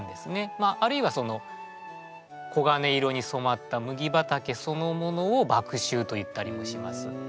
まああるいはその黄金色に染まった麦畑そのものを「麦秋」といったりもします。